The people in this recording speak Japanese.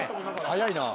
早いな。